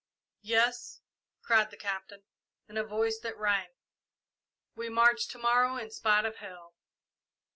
"Yes," cried the Captain, in a voice that rang; "we march to morrow in spite of hell!"